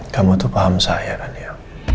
kamu tuh paham saya kan ya